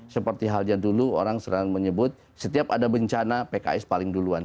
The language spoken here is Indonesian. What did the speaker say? seperti hal yang dulu orang sering menyebut setiap ada bencana pks paling duluan